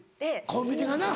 コンビニがな。